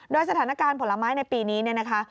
โดยสถานการณ์ผลไม้ในปีนี้เนี่ยนะคะ